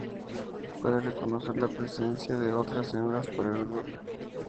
Puede reconocer la presencia de otras hembras por el olor.